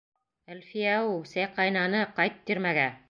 — Әлфиә-әү, сәй ҡайнаны, ҡайт тирмәгә!